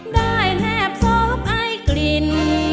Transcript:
ได้แทบซอบไอกลิ่น